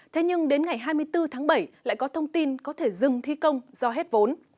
thế nhưng đến ngày hai mươi bốn tháng bảy lại có thông tin có thể dừng thi công do hết vốn